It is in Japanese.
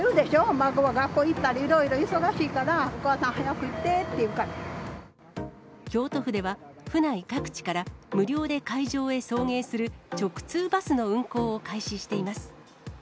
孫が学校に行ったり、いろいろ忙しいから、お母さん、京都府では、府内各地から無料で会場へ送迎する、直通バスの運行を開始しています。